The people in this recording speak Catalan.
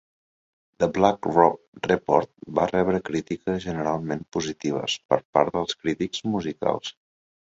"The Black Rob Report" va rebre crítiques generalment positives per part dels crítics musicals.